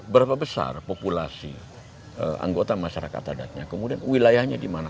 berapa besar populasi anggota masyarakat adatnya kemudian wilayahnya dimana